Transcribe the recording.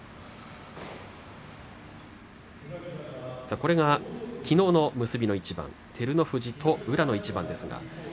これがきのうの結びの一番照ノ富士と宇良の一番です。